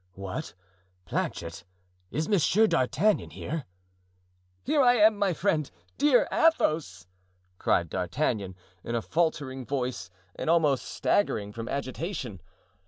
"What, Planchet, is Monsieur d'Artagnan here?" "Here I am, my friend, dear Athos!" cried D'Artagnan, in a faltering voice and almost staggering from agitation.